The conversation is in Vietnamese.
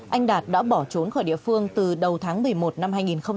anh đạt đã bỏ trốn khỏi địa phương từ đầu tháng một mươi một năm hai nghìn một mươi chín